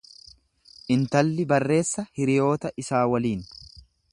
Intalli barreessa hiriyoota isaa waliin.